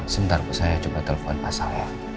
sebentar bu saya coba telepon pak sal ya